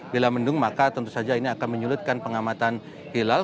bila mendung maka tentu saja ini akan menyulitkan pengamatan hilal